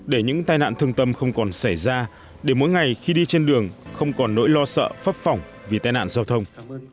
để những tai nạn thương tâm không còn xảy ra để mỗi ngày khi đi trên đường không còn nỗi lo sợ phấp phỏng vì tai nạn giao thông